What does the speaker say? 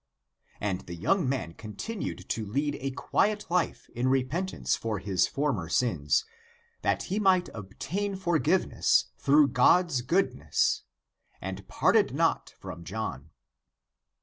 And the young man continued to lead a quiet life in repentance for his former sins, that he might obtain forgiveness through God's goodness, and parted not from John.